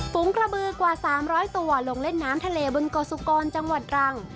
ฝูงกระบือกว่า๓๐๐ตัวลงเล่นน้ำทะเลบนโกสุกรจังหวัดรัง